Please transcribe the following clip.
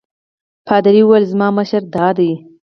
پادري وویل زما مشوره دا ده.